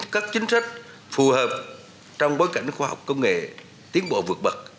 các chính sách phù hợp trong bối cảnh khoa học công nghệ tiến bộ vượt bậc